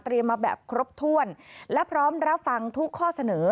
มาแบบครบถ้วนและพร้อมรับฟังทุกข้อเสนอ